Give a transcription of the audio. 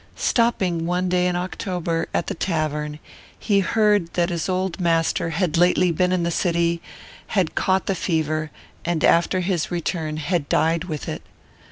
Stopping one day in October, at the tavern, he heard that his old master had lately been in the city, had caught the fever, and after his return had died with it.